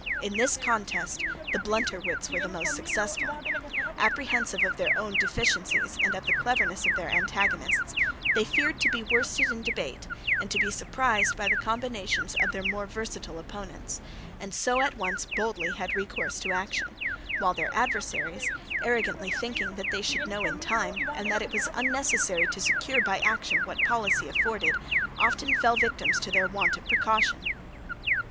In this contest the blunter wits were most successful. Apprehensive of their own deficiencies and of the cleverness of their antagonists, they feared to be worsted in debate and to be surprised by the combinations of their more versatile opponents, and so at once boldly had recourse to action: while their adversaries, arrogantly thinking that they should know in time, and that it was unnecessary to secure by action what policy afforded, often fell victims to their want of precaution.